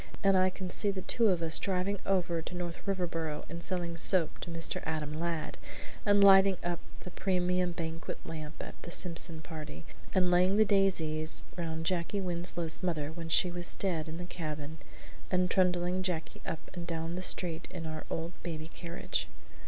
"And I can see the two of us driving over to North Riverboro and selling soap to Mr. Adam Ladd; and lighting up the premium banquet lamp at the Simpson party; and laying the daisies round Jacky Winslow's mother when she was dead in the cabin; and trundling Jacky up and down the street in our old baby carriage!"